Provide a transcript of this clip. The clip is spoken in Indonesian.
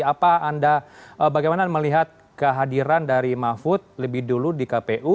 apa anda bagaimana melihat kehadiran dari mahfud lebih dulu di kpu